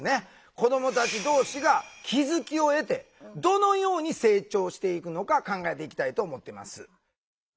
子どもたち同士が気付きを得てどのように成長していくのか考えていきたいと思ってます。